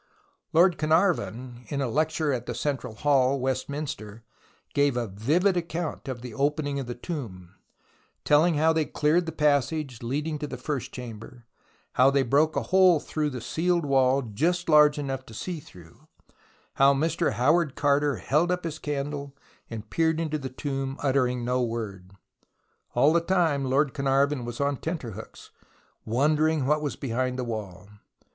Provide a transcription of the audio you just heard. Lord Carnarvon, in a lecture at the Central Hall, Westminster, gave a vivid account of the opening of the tomb, telling how they cleared the passage leading to the first chamber, how they broke a hole through the sealed wall just large enough to see through, how Mr. Howard Carter held up his candle and peered into the tomb, uttering no word. All the time Lord Carnarvon was on tenterhooks, wondering what was behind the wall.